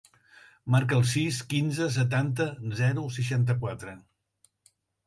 Marca el sis, quinze, setanta, zero, seixanta-quatre.